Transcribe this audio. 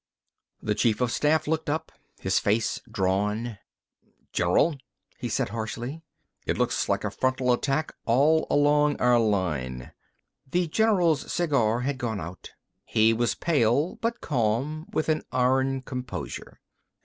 The chief of staff looked up; his face drawn. "General," he said harshly, "it looks like a frontal attack all along our line." The general's cigar had gone out. He was pale, but calm with an iron composure.